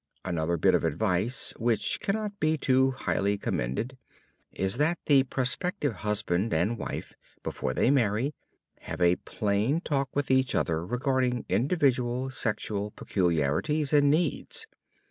Another bit of advice, which cannot be too highly commended, is that the prospective husband and wife, before they marry, have a plain talk with each other regarding individual sexual peculiarities and needs.